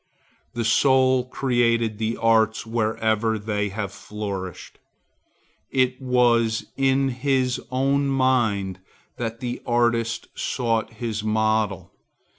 The soul created the arts wherever they have flourished. It was in his own mind that the artist sought his model.